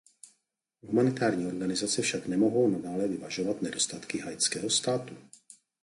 Humanitární organizace však nemohou nadále vyvažovat nedostatky haitského státu.